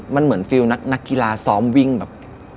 มันเหมือนฟิลล์นักกีฬาซ้อมวิ่งแบบ